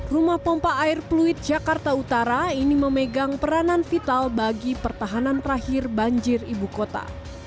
rumah pompa air fluid jakarta utara ini memegang peranan vital bagi pertahanan terakhir banjir ibu kota